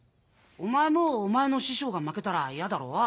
お前もお前の師匠が負けたらイヤだろ？